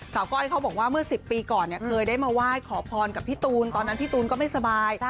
ก้อยเขาบอกว่าเมื่อ๑๐ปีก่อนเนี่ยเคยได้มาไหว้ขอพรกับพี่ตูนตอนนั้นพี่ตูนก็ไม่สบาย